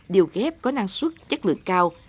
điều ghép có năng suất chất lượng cao